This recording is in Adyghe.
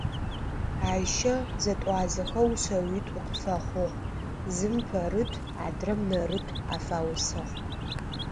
Айщэ зэтӏуазэхэу шъэуитӏу къыфэхъугъ: зым Пэрыт адрэм Нэрыт афаусыгъ.